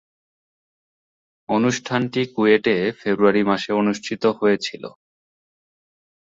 অনুষ্ঠানটি কুয়েটে ফেব্রুয়ারি মাসে অনুষ্ঠিত হয়েছিলো।